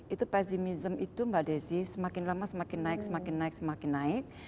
itu pesimism itu mbak desi semakin lama semakin naik semakin naik semakin naik